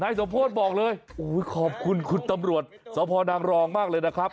สมโพธิบอกเลยขอบคุณคุณตำรวจสพนางรองมากเลยนะครับ